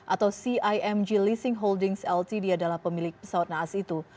atau cimg leasing holdings ltd adalah pemilik pesawat naas itu